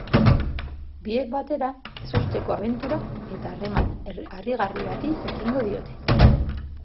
Biek batera, ezusteko abentura eta harreman harrigarri bati ekingo diote.